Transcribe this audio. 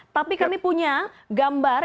tapi kami punya gambar